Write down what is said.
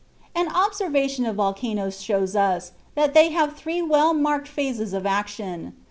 An observation of volcanoes shows us that they have three well marked phases of action.